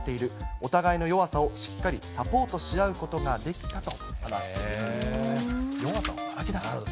お互いの弱さをしっかりサポートし合うことができたと話しているということです。